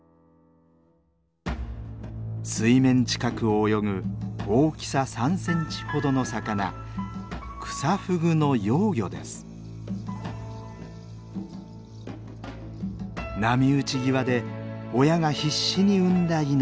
水面近くを泳ぐ大きさ３センチほどの魚波打ち際で親が必死に産んだ命。